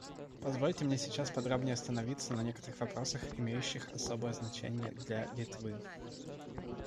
Позвольте мне сейчас подробнее остановиться на некоторых вопросах, имеющих особое значение для Литвы.